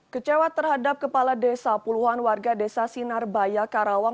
kecewa terhadap kepala desa puluhan warga desa sinarbaya karawang